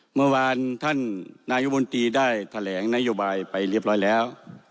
เมื่อวานท่านนายบนตรีได้แถลงนโยบายไปเรียบร้อยแล้ว